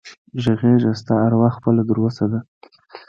غږېږه ستا اروا خپله تر اوسه ده